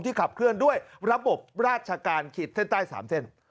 ขับเคลื่อนด้วยระบบราชการขีดเส้นใต้๓เส้น